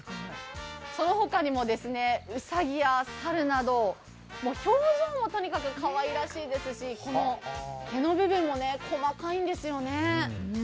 その他にもうさぎや猿など表情もとにかくかわいらしいですしこの、毛の部分も細かいんですよね。